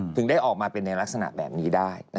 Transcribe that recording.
ถึงได้ออกมาเป็นในลักษณะแบบนี้ได้